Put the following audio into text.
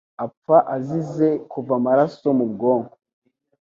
apfa azize kuva amaraso mu bwonko